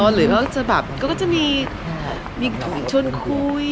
หรือว่าจะแบบก็จะมีชวนคุย